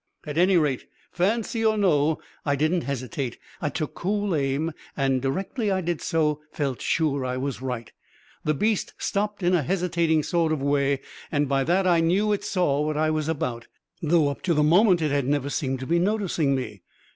"At any rate, fancy or no, I didn't hesitate. I took cool aim, and directly I did so, felt sure I was right. The beast stopped in a hesitating sort of way, and by that I knew it saw what I was about, though up to the moment it had never seemed to be noticing me.